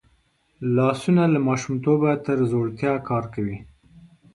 لاسونه له ماشومتوبه تر زوړتیا کار کوي